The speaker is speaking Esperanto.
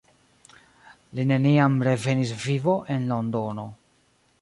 Li neniam revenis vivo en Londono.